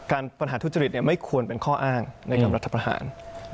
ปัญหาทุจริตไม่ควรเป็นข้ออ้างในการรัฐประหาร